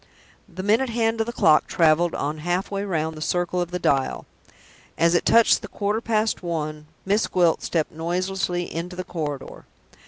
The minute hand of the clock traveled on halfway round the circle of the dial. As it touched the quarter past one, Miss Gwilt stepped noiselessly into the corridor.